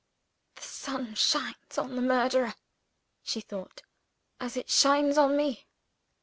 "The sun shines on the murderer," she thought, "as it shines on me."